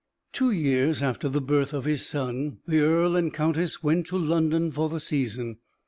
Two years after the birth of his son, the earl and countess went to London for the season.